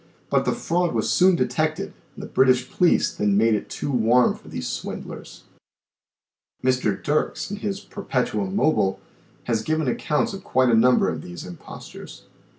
But the fraud was soon detected and the British police then made it too warm for these swindlers. PERPETUAL MOTION 71 Mr. Dircks, in his " Perpetuum Mobile," has given ac counts of quite a number of these impostures.